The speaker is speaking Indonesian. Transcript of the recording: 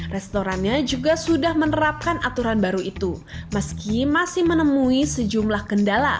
restorannya juga sudah menerapkan aturan baru itu meski masih menemui sejumlah kendala